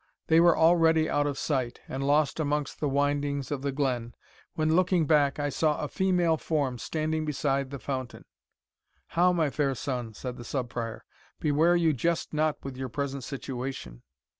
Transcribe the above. They were already out of sight, and lost amongst the windings of the glen, when, looking back, I saw a female form standing beside the fountain " "How, my fair son?" said the Sub Prior, "beware you jest not with your present situation!"